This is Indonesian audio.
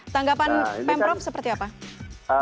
tanggapan pemprov seperti apa